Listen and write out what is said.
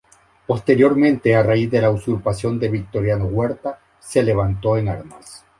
Posteriormente a raíz de la usurpación de Victoriano Huerta, se levantó en armas.